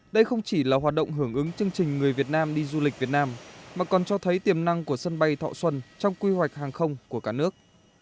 đây không chỉ là hoạt động hưởng ứng chương trình người việt nam đi du lịch việt nam mà còn cho thấy tiềm năng của sân bay thọ xuân trong quy hoạch hàng không của cả nước